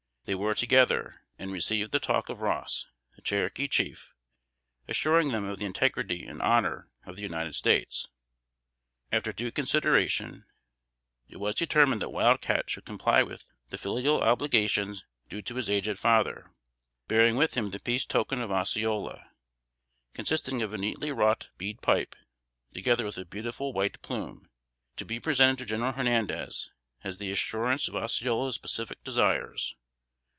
They were together, and received the talk of Ross, the Cherokee chief, assuring them of the integrity and honor of the United States. After due consideration, it was determined that Wild Cat should comply with the filial obligations due to his aged father, bearing with him the peace token of Osceola, consisting of a neatly wrought bead pipe, together with a beautiful white plume, to be presented to General Hernandez, as the assurance of Osceola's pacific desires.